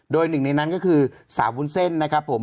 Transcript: โดยหนึ่งในนั้นก็คือสาววุ้นเส้นนะครับผม